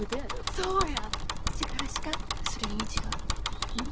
そうやせからしかそれ意味違ううん？